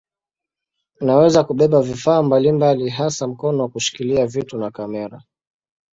Inaweza kubeba vifaa mbalimbali hasa mkono wa kushikilia vitu na kamera.